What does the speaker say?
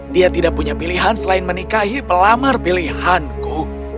dia tidak punya pilihan selain menikahi pelamar pilihanku